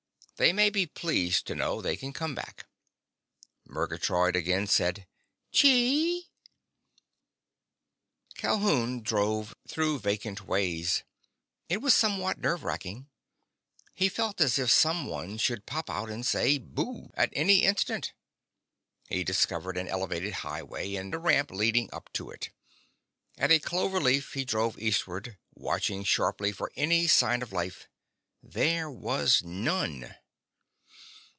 They may be pleased to know they can come back." Murgatroyd again said, "Chee!" Calhoun drove through vacant ways. It was somehow nerve racking. He felt as if someone should pop out and say "Boo!" at any instant. He discovered an elevated highway and a ramp leading up to it. At a cloverleaf he drove eastward, watching sharply for any sign of life. There was none.